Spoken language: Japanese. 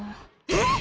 えっ！